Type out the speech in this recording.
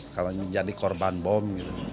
kalau menjadi korban bom